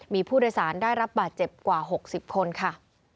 มีผู้โดยสารได้รับบาดเจ็บกว่า๖๐คนค่ะ